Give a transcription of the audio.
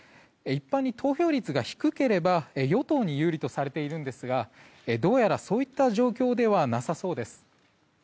一般に投票率が低ければ与党に有利とされているんですがどうやら、そういった状況ではなさそうです。